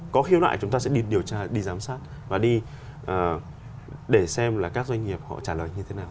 có khiếu nại chúng ta sẽ đi điều tra đi giám sát và đi để xem là các doanh nghiệp họ trả lời như thế nào